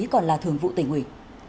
còn là thường vụ tỉnh huyện